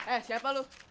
eh siapa lu